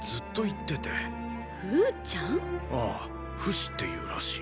ああフシっていうらしい。